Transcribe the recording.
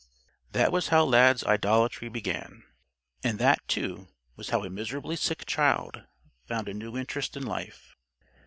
That was how Lad's idolatry began. And that, too, was how a miserably sick child found a new interest in life.